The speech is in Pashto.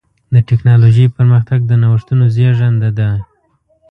د ټکنالوجۍ پرمختګ د نوښتونو زېږنده دی.